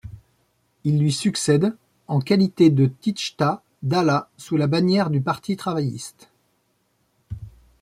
Il lui succède en qualité de Teachta Dála sous la bannière du Parti travailliste.